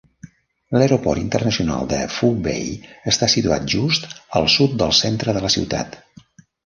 L'aeroport internacional de Phu Bai està situat just al sud del centre de la ciutat.